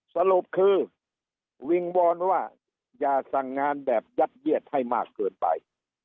สรุปคือวิงวอนว่าอย่าสั่งงานแบบยัดเยียดให้มากเกินไป